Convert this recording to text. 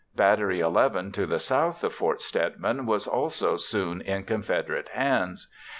Battery XI to the south of Fort Stedman was also soon in Confederate hands.